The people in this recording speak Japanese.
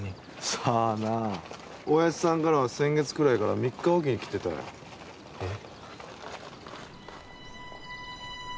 さあな親父さんからは先月くらいから３日置きに来てたよえッ？